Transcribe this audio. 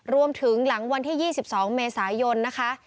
รวมถึงหลังวันที่๒๒เมษายนนะคะ